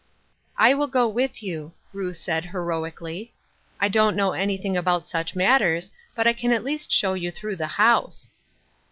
"I will go with you," Ruth said, heroically. " I don't know anything about such matters, but I can at least show you through the house."